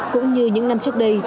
cũng như những năm trước đây